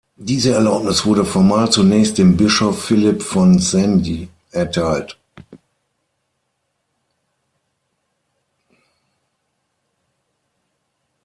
Diese Erlaubnis wurde formal zunächst dem Bischof Philipp von Senj erteilt.